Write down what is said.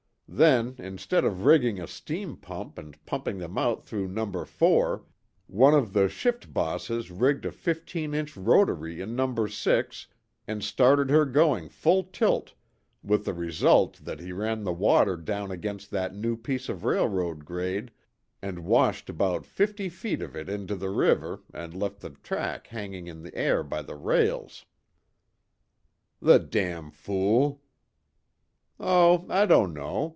Then, instead of rigging a steam pump and pumping them out through Number Four, one of the shift bosses rigged a fifteen inch rotary in Number Six and started her going full tilt with the result that he ran the water down against that new piece of railroad grade and washed about fifty feet of it into the river and left the track hanging in the air by the rails." "The damn fool!" "Oh, I don't know.